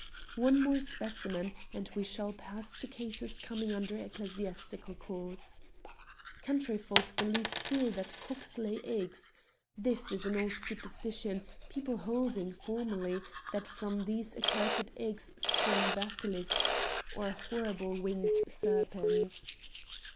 One more specimen, and we shall pass to cases coming under Ecclesiastical Courts. Country folk believe still that cocks lay eggs. This is an old superstition, people holding, formerly, that from these accursed eggs sprang basilisks, or horrible winged serpents.